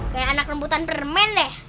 kayak anak lembutan permen deh